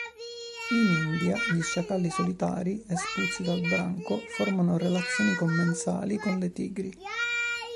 In India gli sciacalli solitari espulsi dal branco formano relazioni commensali con le tigri.